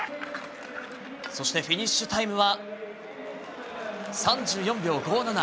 そして、フィニッシュタイムは、３４秒５７。